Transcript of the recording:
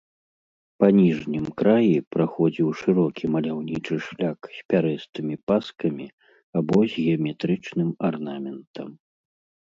Па ніжнім краі праходзіў шырокі маляўнічы шляк з пярэстымі паскамі або з геаметрычным арнаментам.